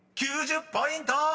９０ポイント！］